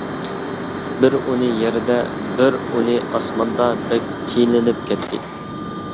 بىر ئۈنى يەردە، بىر ئۈنى ئاسماندا بەك قىينىلىپ كەتتى.